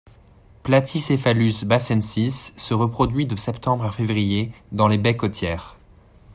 Platycephalus bassensis se reprododuit de septembre à février dans les baies côtières.